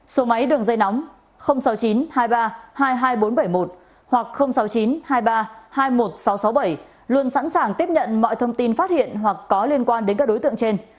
số máy đường dây nóng sáu mươi chín hai mươi ba hai mươi hai nghìn bốn trăm bảy mươi một hoặc sáu mươi chín hai mươi ba hai mươi một nghìn sáu trăm sáu mươi bảy luôn sẵn sàng tiếp nhận mọi thông tin phát hiện hoặc có liên quan đến các đối tượng trên